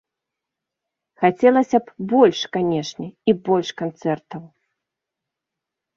Хацелася б больш, канешне, і больш канцэртаў.